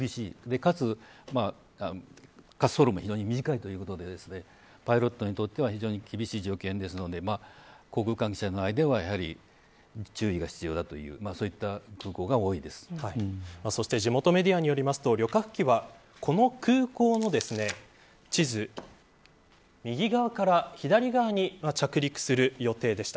かつ、滑走路も非常に短いということでパイロットにとっては非常に厳しい条件なので航空関係者の間ではやはり注意が必要だというそして地元メディアによると旅客機はこの空港の地図右側から左側に着陸する予定でした。